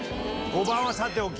５番はさておき。